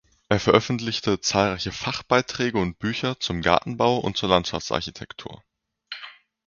Er veröffentlichte zahlreiche Fachbeiträge und Bücher zum Gartenbau und zur Landschaftsarchitektur.